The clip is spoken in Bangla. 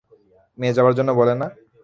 মেয়ে যাবার জন্যে বলে না?